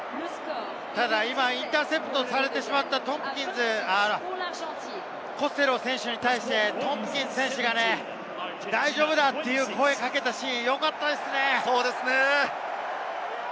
インターセプトされてしまったトンプキンズ、コステロー選手に対してトンプキンズ選手が「大丈夫だ」と声をかけたシーン、よかったですね。